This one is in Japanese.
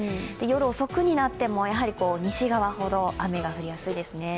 夜遅くになっても西側ほど雨が降りやすいですね。